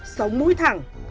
sống mũi thẳng